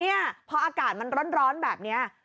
เนี่ยพออากาศมันร้อนแบบนี้